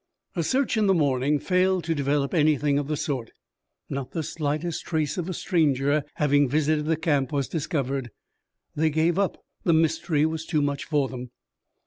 A search in the morning failed to develop anything of the sort. Not the slightest trace of a stranger having visited the camp was discovered. They gave up the mystery was too much for them.